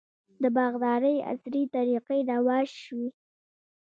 د باغدارۍ عصري طریقې رواج شوي.